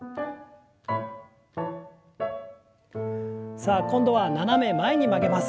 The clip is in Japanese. さあ今度は斜め前に曲げます。